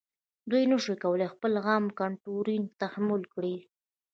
دوی نشي کولای خپل عام دوکتورین تحمیل کړي.